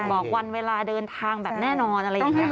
บอกวันเวลาเดินทางแบบแน่นอนอะไรอย่างนี้